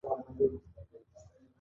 کوچي ته غوسه ورغله!